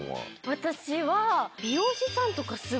私は。